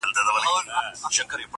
ستا د منزل د مسافرو قدر څه پیژني؛